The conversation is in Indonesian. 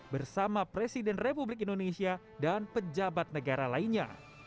bersama presiden republik indonesia dan pejabat negara lainnya